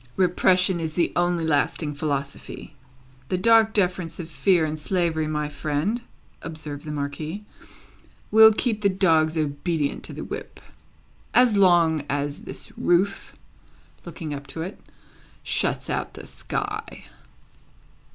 "Repression is the only lasting philosophy. The dark deference of fear and slavery, my friend," observed the Marquis, "will keep the dogs obedient to the whip, as long as this roof," looking up to it, "shuts out the sky."